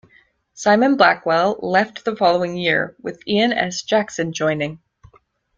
Simon Blackwell left the following year, with Ian S Jackson joining.